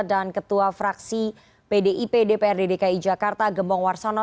dan ketua fraksi pdip dprd dki jakarta gembong warsono